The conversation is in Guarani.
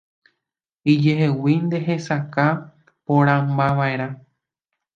Ijeheguínte hesakã porãmbava'erã.